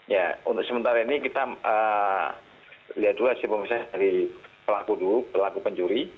ya untuk sementara ini kita lihat dulu hasil pemeriksaan dari pelaku dulu pelaku pencuri